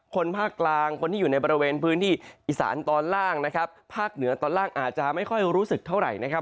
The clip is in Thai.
ภาคกลางคนที่อยู่ในบริเวณพื้นที่อีสานตอนล่างนะครับภาคเหนือตอนล่างอาจจะไม่ค่อยรู้สึกเท่าไหร่นะครับ